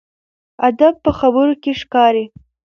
ادب په خبرو کې ښکاري.